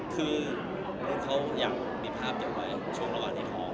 คือคนเขาอยากมีภาพจะไว้ช่วงระหว่างในทอง